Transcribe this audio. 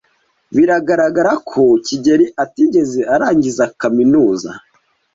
Biragaragara ko kigeli atigeze arangiza kaminuza.